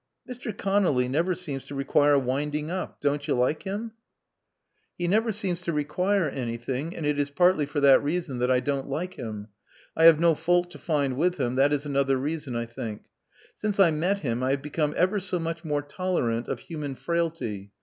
*'Mr. Conolly never seems to require winding up. Don't you like him?" Love Among the Artists 293 He never seems to require anything, and it is partly for that reason that I don't like him. I have no fault to find with him — that is another reason, I think. Since I met him I have become ever so much more tolerant of human frailty.